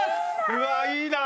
うわいいな！